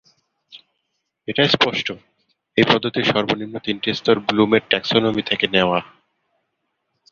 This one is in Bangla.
এটা স্পষ্ট, এই পদ্ধতির সর্বনিম্ন তিনটি স্তর ব্লুমের ট্যাক্সোনমি থেকে নেওয়া।